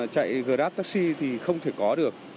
chạy grab taxi thì không thể có được